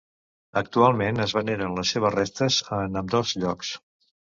Actualment, es veneren les seves restes en ambdós llocs.